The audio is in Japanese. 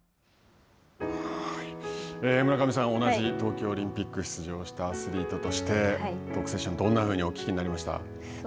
村上さん、同じ東京オリンピック出場したアスリートとしてトークセッションどんなふうにお聞きになりました？